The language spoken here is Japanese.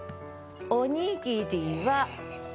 「おにぎりは鮭」